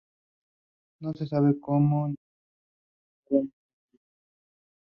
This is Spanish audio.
No se sabe cómo ni cuándo obtuvo las órdenes eclesiásticas.